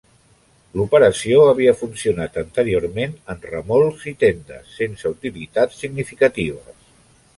L'operació havia funcionat anteriorment en remolcs i tendes, sense utilitats significatives.